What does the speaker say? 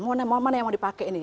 mana yang mau dipakai ini